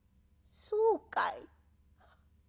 「そうかい。